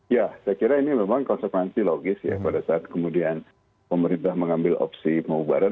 ya saya kira ini memang konsekuensi logis ya pada saat kemudian pemerintah mengambil opsi pemubaran